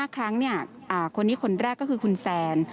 ๕ครั้งคนนี้คนแรกก็คือคุณแซน